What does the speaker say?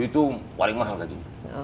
itu paling mahal gajinya